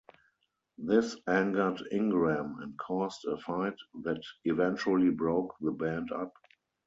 This angered Ingram, and caused a fight that eventually broke the band up.